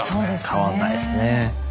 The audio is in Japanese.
変わんないですね。